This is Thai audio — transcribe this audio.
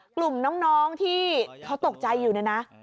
กลุ่มน้องที่เขาตกใจอยู่เนี่ยนะ